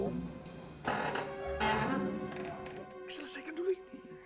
selesaikan dulu ini